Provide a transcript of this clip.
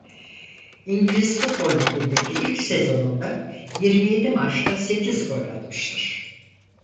İngiliz futbol ligindeki ilk sezonunda yirmi yedi maçta sekiz gol atmıştır.